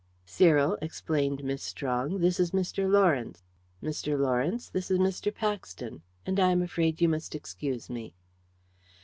"Cyril," explained Miss Strong, "this is Mr. Lawrence. Mr. Lawrence, this is Mr. Paxton; and I am afraid you must excuse me."